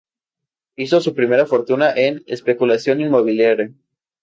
Hizo su primera fortuna en especulación inmobiliaria.